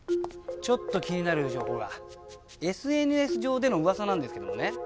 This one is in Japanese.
ちょっと気になる情報がＳＮＳ上での噂なんですけどね